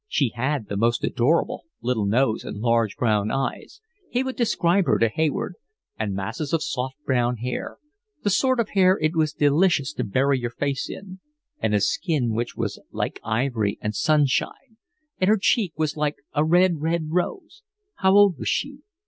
She had the most adorable little nose and large brown eyes—he would describe her to Hayward—and masses of soft brown hair, the sort of hair it was delicious to bury your face in, and a skin which was like ivory and sunshine, and her cheek was like a red, red rose. How old was she?